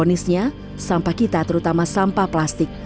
ironisnya sampah kita terutama sampah plastik